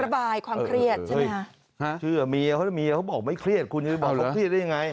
ระบายความเครียดใช่ไหมฮะเชื่อเมียเขาถ้าเมียเขาบอกไม่เครียดคุณจะไปบอกเขาเครียดได้ยังไง